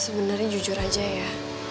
sebenarnya jujur aja ya